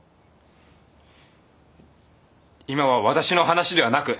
今は私の話ではなく。